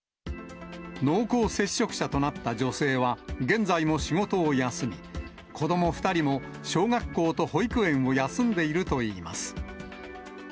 濃厚接触者となった女性は、現在も仕事を休み、子ども２人も小学校と保育園を休んでいるといいます。